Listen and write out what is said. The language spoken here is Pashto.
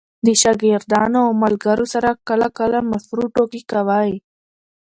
د شاګردانو او ملګرو سره کله – کله مشروع ټوکي کوئ!